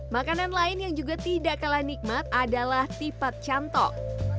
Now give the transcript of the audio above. makanan lain yang juga tidak kalah nikmat adalah tipat cantok